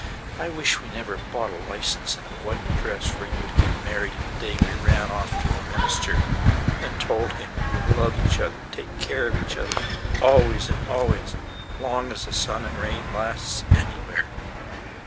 I wish we never bought a license and a white dressFor you to get married in the day we ran off to a ministerAnd told him we would love each other and take care of each otherAlways and always long as the sun and the rain lasts anywhere.